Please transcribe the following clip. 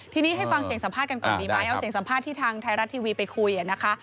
ทีนี้ให้ฟังเสียงสัมภาษณ์กันก่อนดีไหมเอาเสียงสัมภาษณ์ที่ทางไทยรัฐทีวีไปคุยนะคะ